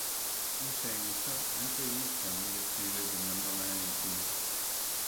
In seguito anche Wickham decise di abbandonare il team.